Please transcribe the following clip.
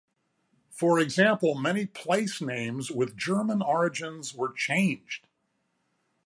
For example, many placenames with German origins were changed.